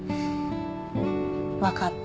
分かった。